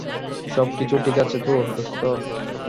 সবকিছু ঠিক আছে তো, দোস্ত?